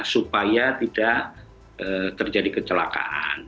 supaya tidak terjadi kecelakaan